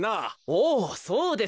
おおそうですか。